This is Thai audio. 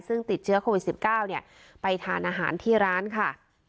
ซึ่งติดเชื้อโควิดสิบเก้าเนี่ยไปทานอาหารที่ร้านค่ะ